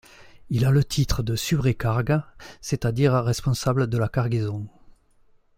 Il a le titre de subrécargue, c'est-à-dire responsable de la cargaison.